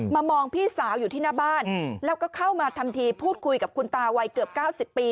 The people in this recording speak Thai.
มองพี่สาวอยู่ที่หน้าบ้านแล้วก็เข้ามาทำทีพูดคุยกับคุณตาวัยเกือบ๙๐ปี